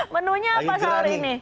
menunya apa sahur ini